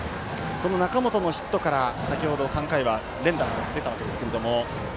この中本のヒットから先ほど３回は連打が出たわけですけれども。